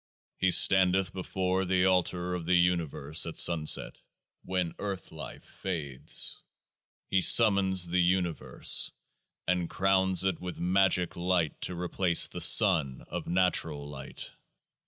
He standeth before the Altar of the Universe at Sunset, when Earth life fades. He summons the Universe, and crowns it with MAGICK Light to replace the sun of natural light.